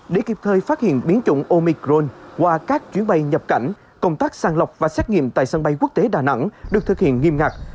để kịp thời phát hiện biến chủng omicrone qua các chuyến bay nhập cảnh công tác sàng lọc và xét nghiệm tại sân bay quốc tế đà nẵng được thực hiện nghiêm ngặt